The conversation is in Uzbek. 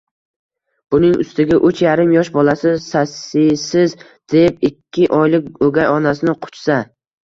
Buning ustiga uch yarim yosh bolasi «sasiysiz», deb ikki oylik o'gay onasini quchsa.